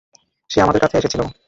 সে আমাদের কাছে এসেছিল।